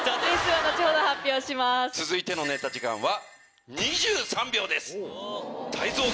続いてのネタ時間は。